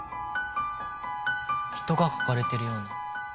人が描かれてるような。